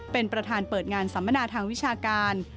เป็นประธานเปิดงานสัมมนาทางวิชาการ